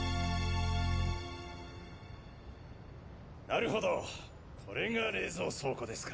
なるほどこれが冷蔵倉庫ですか。